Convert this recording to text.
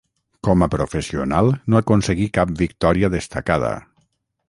Com a professional no aconseguí cap victòria destacada.